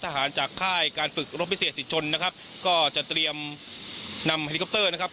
จากค่ายการฝึกรบพิเศษศิษชนนะครับก็จะเตรียมนำเฮลิคอปเตอร์นะครับ